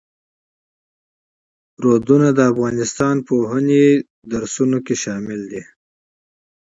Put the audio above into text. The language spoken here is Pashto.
دریابونه د افغانستان د پوهنې نصاب کې شامل دي.